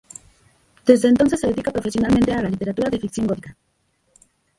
Desde entonces se dedica profesionalmente a la literatura de ficción gótica.